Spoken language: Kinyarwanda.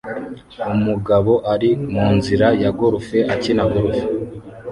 Umugabo ari munzira ya golf akina golf